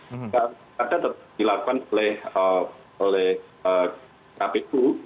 pemilu pemilu tersebut dilakukan oleh kpu